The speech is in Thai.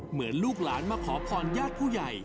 ลูกหลานมาขอพรญาติผู้ใหญ่